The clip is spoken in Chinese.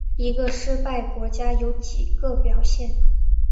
一个失败国家有几个表现。